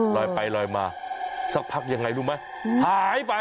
ลอยไปลอยมาสักพักยังไงรู้ไหมหายไป